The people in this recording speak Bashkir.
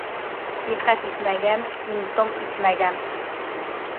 Сихәт итмәгән, им-том итмәгән.